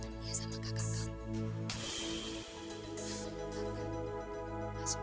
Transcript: husin kamu jangan ngomong sebarangan